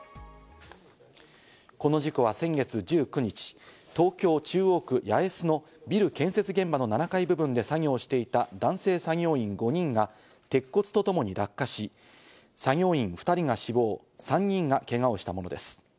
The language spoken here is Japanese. この事故は先月１９日、東京・中央区八重洲のビル建設現場の７階部分で作業していた男性作業員５人が鉄骨とともに落下し、作業員２人が死亡、３人がけがをしたものです。